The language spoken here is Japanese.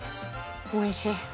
おいしい。